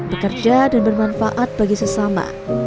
bekerja dan bermanfaat bagi sesama